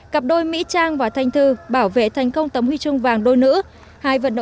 cặp đôi mỹ trang và thanh thư bảo vệ thành công tấm huy chương vàng đôi nữ